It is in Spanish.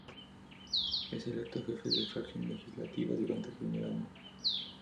Es electo Jefe de Fracción Legislativa durante el primer año.